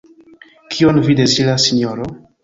Kion vi deziras, Sinjoro?